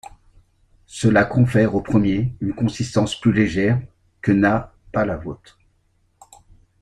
Cela confère au premier une consistance plus légère que n’a pas la vaute.